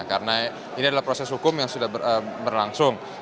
karena ini adalah proses hukum yang sudah berlangsung